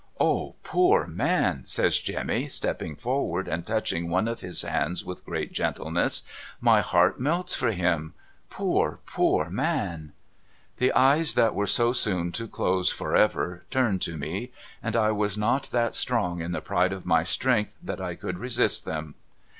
' Ah poor man !' says Jemmy stepping forward and touching one of his hands with great gentleness. ' My heart melts for him. Poor, poor man !' The eyes that were so soon to close for ever turned to me, and I was not that strong in the pride of my strength that I could resist them.